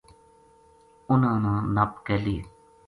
اَنھاں نا نَپ کے لے